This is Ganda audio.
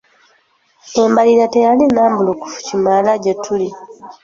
Embalirira teyali nnambulukufu kimala gye tuli.